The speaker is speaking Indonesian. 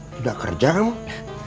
tidak kerja emang